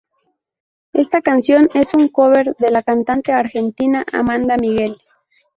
Esta canción es un cover de la cantante argentina Amanda Miguel.